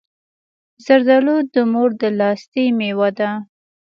زردالو د مور د لاستی مېوه ده.